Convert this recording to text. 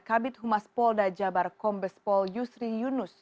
kabit humas polda jabar kombes pol yusri yunus